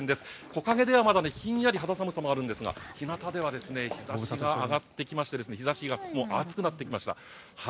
木陰では、まだひんやり肌寒さもあるんですが日なたでは日差しが上がってきまして日差しが暑くなってきました。